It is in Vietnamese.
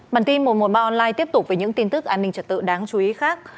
bản tin một trăm một mươi ba online tiếp tục với những tin tức an ninh trật tự đáng giới thiệu